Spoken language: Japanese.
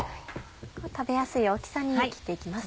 食べやすい大きさに切って行きます。